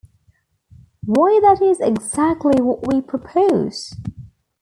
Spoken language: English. Why that is exactly what we propose.